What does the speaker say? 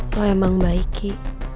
lo emang baik ki